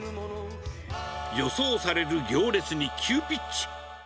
予想される行列に急ピッチ。